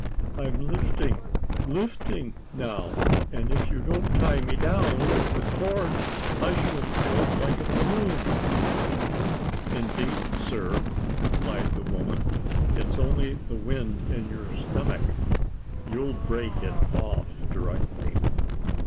I'm lifting lifting now; and if you don't tie me down with cords, I shall go up like a balloon." "Indeed, sir," replied the woman, "it's only the wind in your stomach. You'll break it off directly."